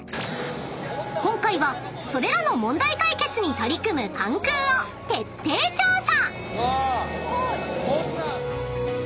［今回はそれらの問題解決に取り組む関空を徹底調査］